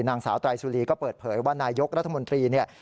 นางสาวไตรสุรีก็เปิดเผยว่านายกรัฐมนตรีเนี่ย